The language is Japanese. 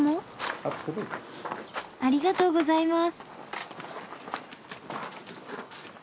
ありがとうございます。